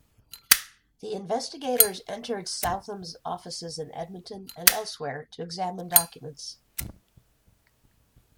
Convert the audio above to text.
The investigators entered Southam's offices in Edmonton and elsewhere to examine documents.